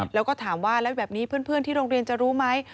แล้วก็ถามว่าแล้วแบบนี้เพื่อนที่โรงเรียนจะรู้ไหม